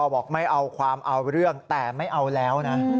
บอกไม่เอาความเอาเรื่องแต่ไม่เอาแล้วนะ